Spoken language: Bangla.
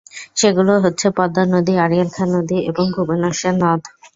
সেগুলো হচ্ছে পদ্মা নদী, আড়িয়াল খাঁ নদী এবং ভুবনেশ্বর নদ।